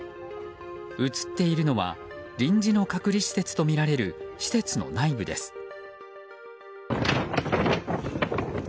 映っているのは臨時の隔離施設とみられる施設の内部です。